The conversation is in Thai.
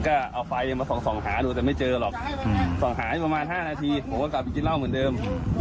กลายถึง๒๕นาทีผมก็กลับฝืมร่มเหมือนเดิม